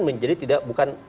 menjadi tidak bukan